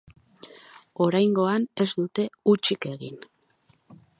Oraingoan ez dute hutsik egin.